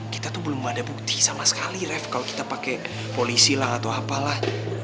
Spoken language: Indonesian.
kita tuh belum ada bukti sama sekali rev kalo kita pake polisi lah atau apa lah